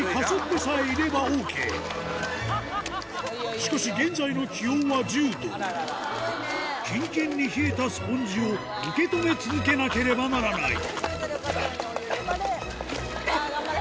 しかし現在の気温は１０度キンキンに冷えたスポンジを受け止め続けなければならない頑張れ！